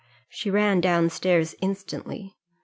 She ran down stairs instantly.